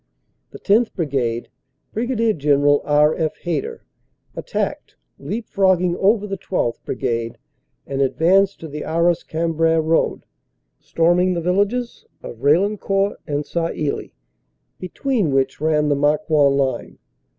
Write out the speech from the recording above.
The 10th. Brigade, Brig. General R. F. Hayter, attacked, leap frogging over the 12th. Brigade, and advanced to the Arras Cambrai road, storming the villages of Raillencourt and Sailly, between which ran the Marcoing line.